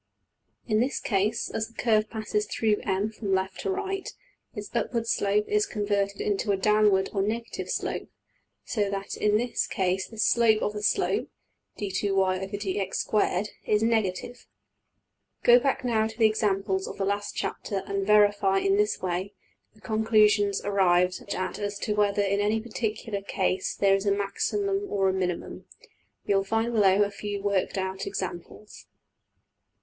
In this case, as the curve passes through~$M$ from left to right, its upward slope is converted \DPPageSep{127.png}% into a downward or negative slope, so that in this case the ``slope of the slope'' $\dfrac{d^2y}{dx^2}$ is \emph{negative}. Go back now to the examples of the last chapter and verify in this way the conclusions arrived at as to whether in any particular case there is a maximum or a minimum. You will find below a few worked out examples.